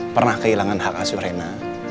pernah kehilangan hak asur rena